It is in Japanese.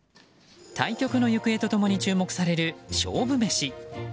対局の行方と共に注目される勝負メシ。